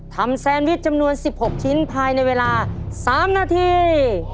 แซนวิชจำนวน๑๖ชิ้นภายในเวลา๓นาที